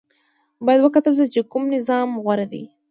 باید وکتل شي چې کوم نظام غوره دی.